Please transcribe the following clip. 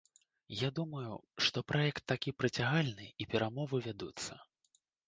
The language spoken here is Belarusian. Я думаю, што праект такі прыцягальны і перамовы вядуцца.